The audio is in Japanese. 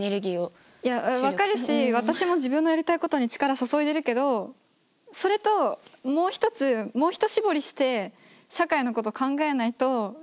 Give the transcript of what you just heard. いや分かるし私も自分のやりたいことに力注いでるけどそれともう一つもう一絞りして社会のこと考えないと駄目だよ。